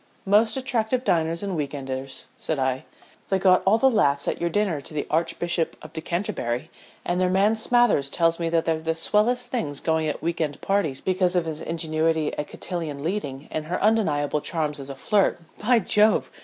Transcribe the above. "Most attractive diners and weekenders," said I. "They got all the laughs at your dinner to the Archbishop of Decanterbury, and their man Smathers tells me they're the swellest things going at week end parties because of his ingenuity at cotillion leading and her undeniable charms as a flirt. By Jove!